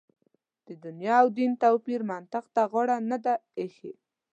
د دنیا او دین توپیر منطق ته غاړه نه ده اېښې.